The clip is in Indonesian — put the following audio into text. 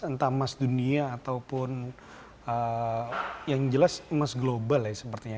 entah emas dunia ataupun yang jelas emas global ya sepertinya